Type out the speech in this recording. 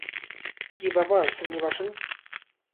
কী ব্যাপার, শ্রীনিবাসন?